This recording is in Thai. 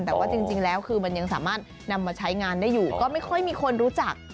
แต่ว่าจริงแล้วคือมันยังสามารถนำมาใช้งานได้อยู่ก็ไม่ค่อยมีคนรู้จัก